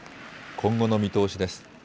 今後の見通しです。